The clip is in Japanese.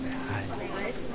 お願いします。